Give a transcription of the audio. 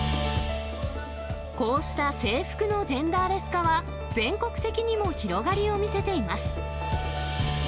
こうした制服のジェンダーレス化は、全国的にも広がりを見せています。